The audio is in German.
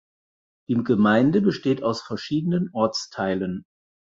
Die Gemeinde besteht aus verschiedenen Ortsteilen.